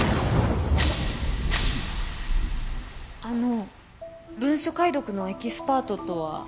あの文書解読のエキスパートとは？